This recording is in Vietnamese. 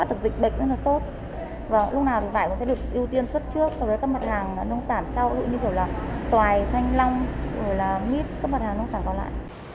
sau đó các mặt hàng nông tản sau như kiểu là tòài thanh long mít các mặt hàng nông tản còn lại